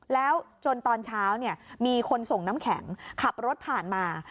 แล้วจนตอนเช้ามีคนส่งน้ำแข็งขับรถผ่านมา